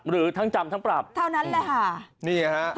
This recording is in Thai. หรือทั้งจำทั้งปรับเท่านั้นแหละค่ะนี่ฮะ